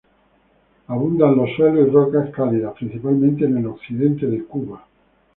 Abundan los suelos y rocas calizas principalmente en el Occidente de Cuba.